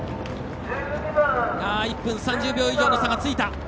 １分３０秒以上の差がついた。